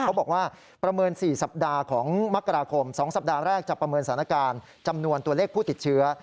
เขาบอกว่าประเมิน๔สัปดาห์ของมกราคม๒สัปดาห์แรกจะประเมินสถานการณ์จำนวนตัวเลขผู้ติดเชื้อ